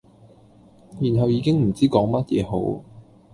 然後已經唔知講乜嘢好